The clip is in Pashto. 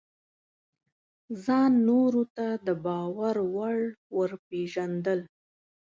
ځان نورو ته د باور وړ ورپېژندل: